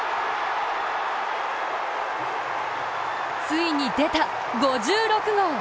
ついに出た、５６号！